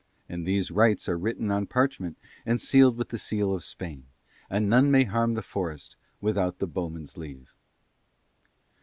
And these rights are written on parchment and sealed with the seal of Spain; and none may harm the forest without the bowmen's leave.